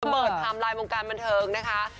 เบิดคำไลน์มงการบันเทิงนะคะ